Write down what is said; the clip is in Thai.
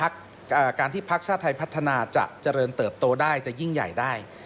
การที่พักชาติไทยพัฒนาจะเจริญเติบโตได้จะยิ่งใหญ่ได้